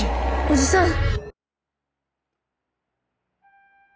おじさん！